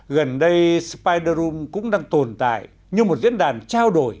gần đây spider room cũng đang tồn tại như một diễn đàn trao đổi